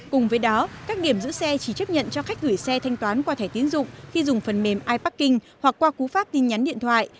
cùng với đó các điểm giữ xe chỉ chấp nhận cho khách gửi xe thanh toán qua thẻ tiến dụng khi dùng phần mềm iparking hoặc qua cú pháp tin nhắn điện thoại